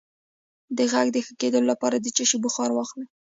د غږ د ښه کیدو لپاره د څه شي بخار واخلئ؟